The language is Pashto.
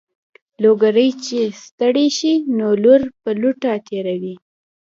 لوګری چې ستړی شي نو لور په لوټه تېروي.